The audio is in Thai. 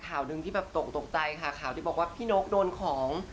ข่าวหนึ่งที่แบบตกตกใจค่ะข่าวที่บอกว่าพี่นกโดนของ